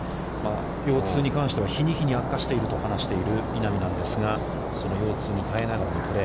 腰痛に関しては日に日に悪化していると話している稲見なんですがその腰痛に耐えながらのプレー。